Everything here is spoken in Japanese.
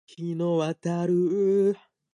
絵本